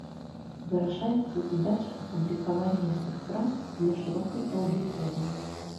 Вырашаецца задача апублікавання гэтых прац для шырокай аўдыторыі.